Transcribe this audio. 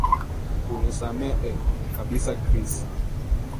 Uni samee kabisa Chris